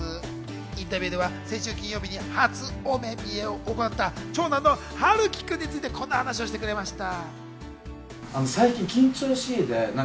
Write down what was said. インタビューでは先週金曜日に初お目見えを行った長男の陽喜くんについてこんな話をしてくれました。